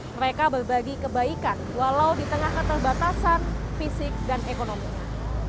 mereka berbagi kebaikan walau di tengah keterbatasan fisik dan ekonominya